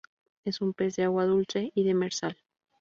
Es un pez de Agua dulce y demersal.